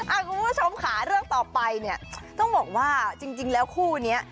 คุณผู้ชมค่ะเรื่องต่อไปเนี่ยต้องบอกว่าจริงแล้วคู่นี้